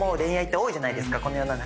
この世の中。